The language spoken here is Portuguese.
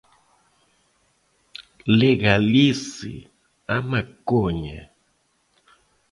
Legalize a maconha